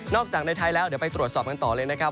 จากในไทยแล้วเดี๋ยวไปตรวจสอบกันต่อเลยนะครับ